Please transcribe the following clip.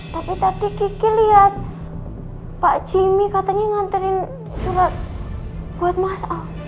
tapi tadi kike liat pak jimmy katanya nganterin curhat buat mas